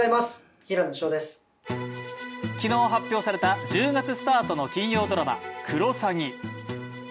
昨日発表された１０月スタートの金曜ドラマ「クロサギ」。